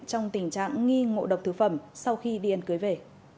trong tình trạng nghi ngộ độc thứ phẩm sau khi điên cưới về